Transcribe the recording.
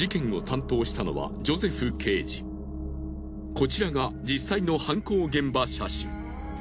こちらが実際の犯行現場写真。